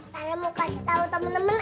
sekarang mau kasih tau temen temen